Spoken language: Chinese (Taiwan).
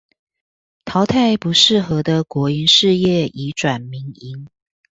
淘汰不適合的國營事業移轉民營